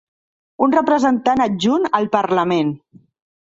Un representant adjunt al parlament.